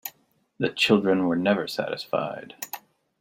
The children were never satisfied.